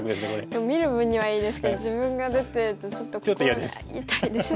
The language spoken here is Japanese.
でも見る分にはいいですけど自分が出てるとちょっと心が痛いですね。